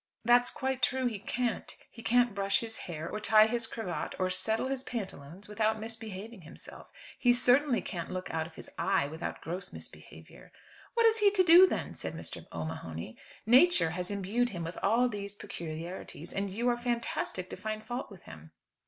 "That's quite true; he can't. He can't brush his hair, or tie his cravat, or settle his pantaloons, without misbehaving himself. He certainly can't look out of his eye without gross misbehaviour." "What is he to do then?" said Mr. O'Mahony. "Nature has imbued him with all these peculiarities, and you are fantastic to find fault with him."